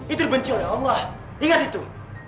itu dibenci oleh allah ingat itu